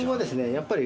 やっぱり。